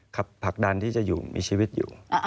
ผลักดันที่จะอยู่มีชีวิตอยู่